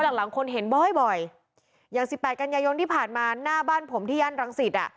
หลังหลังคนเห็นบ่อยบ่อยอย่างสิบแปดกันยายนที่ผ่านมาหน้าบ้านผมที่ย่านรังสิตอ่ะ